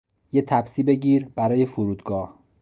یه تپسی بگیر برای فرودگاه